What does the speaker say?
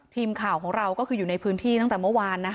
ทีมข่าวของเราก็คืออยู่ในพื้นที่ตั้งแต่เมื่อวาน